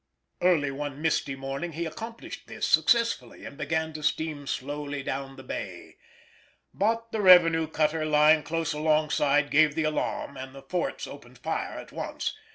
Early one misty morning he accomplished this successfully and began to steam slowly down the Bay, but the revenue cutter lying close alongside gave the alarm, and the forts opened fire at once.